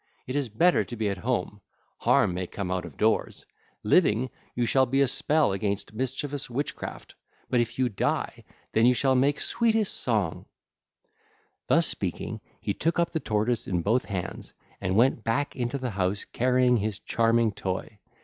It is better to be at home: harm may come out of doors. Living, you shall be a spell against mischievous witchcraft 2513; but if you die, then you shall make sweetest song. (ll. 39 61) Thus speaking, he took up the tortoise in both hands and went back into the house carrying his charming toy.